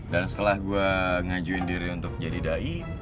dan setelah gue ngajuin diri untuk jadi da'i